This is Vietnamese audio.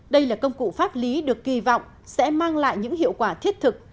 đây là công cụ pháp lý được kỳ vọng sẽ mang lại những hiệu quả thiết thực